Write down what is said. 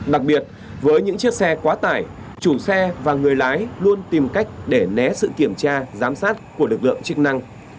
đặc biệt với những chiếc xe quá tải chủ xe và người lái luôn tìm cách để né sự kiểm tra giám sát của lực lượng chức năng